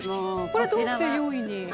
これ、どうして４位に？